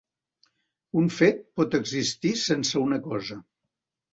Un fet pot existir sense una cosa.